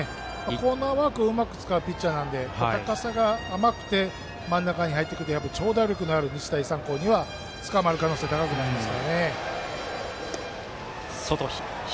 コーナーワークをうまく使うピッチャーなので高さが甘くて真ん中に入ってくると長打力がある日大三高にはつかまる可能性は高いです。